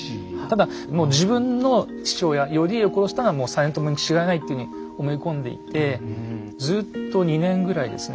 ただもう自分の父親頼家を殺したのはもう実朝にちがいないっていうふうに思い込んでいてずっと２年ぐらいですね